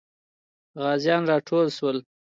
غازیان راټول سول.